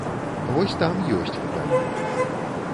Вось там ёсць пытанні.